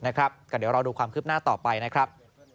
ก็เดี๋ยวรอดูความคืบหน้าต่อไปนะครับ